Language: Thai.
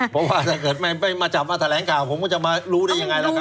เพราะว่าถ้าเกิดไม่มาจับมาแถลงข่าวผมก็จะมารู้ได้ยังไงล่ะครับ